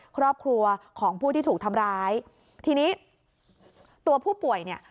ครอบครัวของผู้ที่ถูกทำร้ายทีนี้ตัวผู้ป่วยเนี่ย